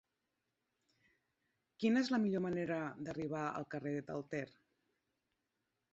Quina és la millor manera d'arribar al carrer del Ter?